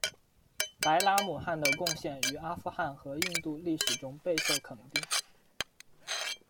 白拉姆汗的贡献于阿富汗和印度历史中备受肯定。